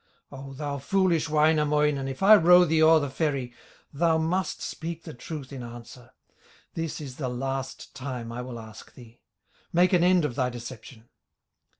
O, thou foolish Wainamoinen, If I row thee o'er the ferry, Thou must speak the truth in answer, This the last time I will ask thee; Make an end of thy deception.